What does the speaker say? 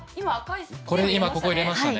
これ今ここ入れましたね。